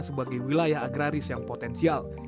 sebagai wilayah agraris yang potensial